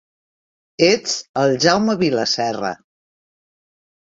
Ets el Jaume Vila Serra.